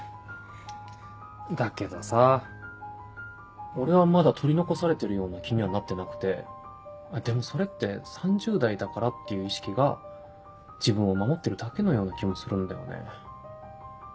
だけどさ俺はまだ取り残されてるような気にはなってなくてでもそれって３０代だからっていう意識が自分を守ってるだけのような気もするんだよね。